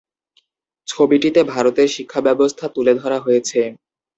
ছবিটিতে ভারতের শিক্ষাব্যবস্থা তুলে ধরা হয়েছে।